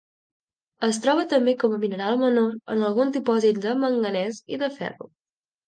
Es troba també com a mineral menor en alguns dipòsits de manganès i de ferro.